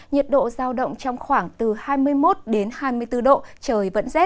nhiệt độ giao động trong khoảng từ hai mươi một hai mươi bốn độ trời vẫn rét